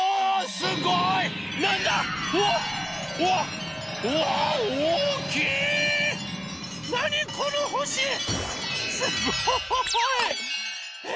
すごい！え？